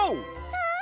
うん！